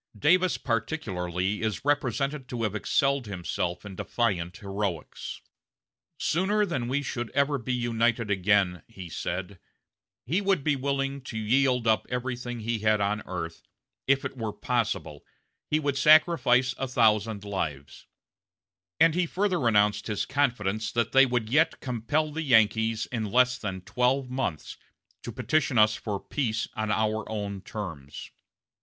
Davis particularly is represented to have excelled himself in defiant heroics. "Sooner than we should ever be united again," he said, "he would be willing to yield up everything he had on earth if it were possible, he would sacrifice a thousand lives"; and he further announced his confidence that they would yet "compel the Yankees, in less than twelve months, to petition us for peace on our own terms."